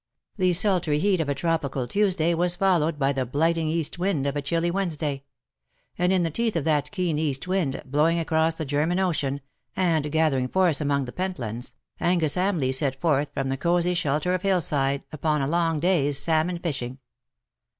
The sultry lieat of a tropical Tuesday was followed by the blight ing east wind of a chilly Wednesday; and in the teeth of that keen east wind, blowing across the German Ocean, and gathering force among the Pentlands, Angus Hamleigh set forth from the cosy shelter of Hillside, upon a long day^s salmon fishing.